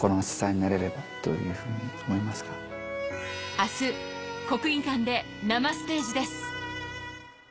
あす、国技館で生ステージです。